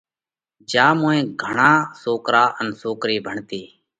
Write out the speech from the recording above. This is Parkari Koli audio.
جيا موئين گھڻا سوڪرا ان سوڪري ڀڻتي۔